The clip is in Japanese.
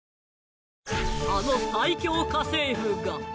あの最恐家政夫が